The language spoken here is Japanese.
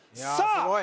さあ